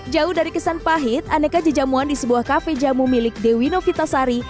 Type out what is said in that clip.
jauh dari kesan pahit aneka jejamuan di sebuah kafe jamu milik dewi novitasari